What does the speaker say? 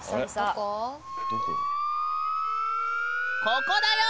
ここだよ